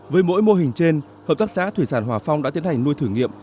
với mỗi mô hình trên hợp tác xã thủy sản hòa phong đã tiến hành nuôi thử nghiệm